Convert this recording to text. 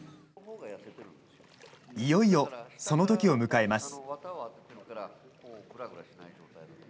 いよいよその時を迎えます。